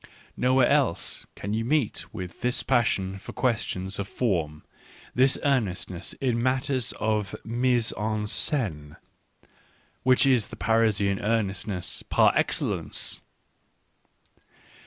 Nowhere else can you meet with this passion for questions of form, this earnestness in matters of fnise en scene, which is the Parisian earnestness par excellence.